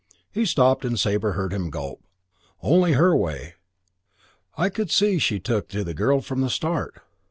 He stopped and Sabre heard him gulp. "Only her way. I could see she took to the girl from the start.